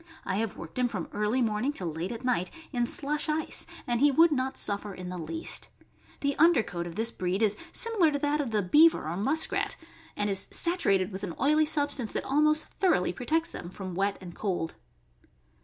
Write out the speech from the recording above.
I have worked him from early morning till late at night, in slush ice, and he would not suffer in the least. The under coat of this breed is similar to that of the beaver or musk rat, 296 THE AMERICAN BOOK OF THE DOG. and is saturated with an oily substance that almost thor oughly protects them from wet and cold.